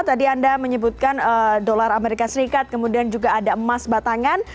tadi anda menyebutkan dolar amerika serikat kemudian juga ada emas batangan